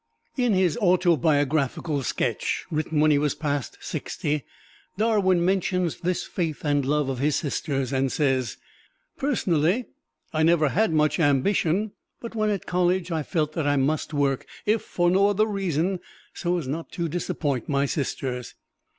In his autobiographical sketch, written when he was past sixty, Darwin mentions this faith and love of his sisters, and says, "Personally, I never had much ambition, but when at college I felt that I must work, if for no other reason, so as not to disappoint my sisters."